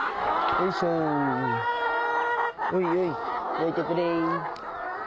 おいおいどいてくれ。